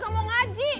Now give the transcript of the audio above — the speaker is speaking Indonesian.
kagak mau ngaji